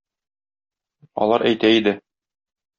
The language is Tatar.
Алар әйтә иде